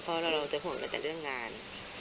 เพราะเราจะห่วงกันแต่เรื่องงาน